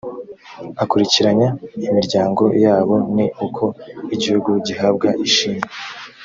akurikiranya imiryango yabo ni uko igihugu gihabwa ishimwe